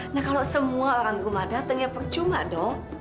nah kalau semua orang rumah datang ya percuma dong